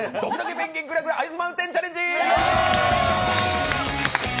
「ペンギンぐらぐらアイスマウンテン」チャレンジ！